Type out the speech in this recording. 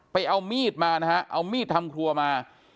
ไปเอามีดมานะฮะเอามีดทำครัวมา